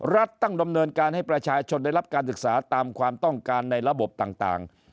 รัฐต้องดำเนินการให้ประชาชนได้รับการศึกษาตามความต้องการในระบบต่าง